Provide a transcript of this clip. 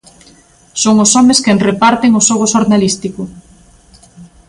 Son os homes quen reparten o xogo xornalístico.